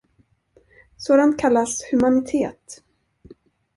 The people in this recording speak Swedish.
Sådant kallas humanitet.